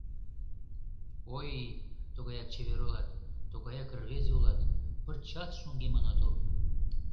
— Ой-й, тугаяк чевер улат, тугаяк рвезе улат, пырчат шоҥгемын отыл...